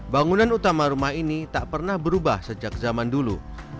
bangunan utama rumah ini tak pernah berubah sejak zaman dulu